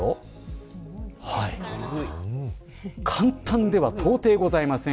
簡単では到底ございません。